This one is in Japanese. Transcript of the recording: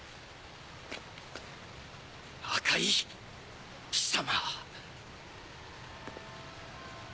赤井貴様。